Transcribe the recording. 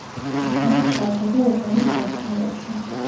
იხსნება წყალსა და ორგანულ გამხსნელებში.